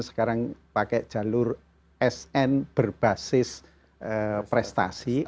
sekarang pakai jalur sn berbasis prestasi